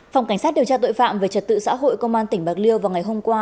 phòng cảnh sát điều tra tội phạm về trật tự xã hội công an tỉnh bạc liêu vào ngày hôm qua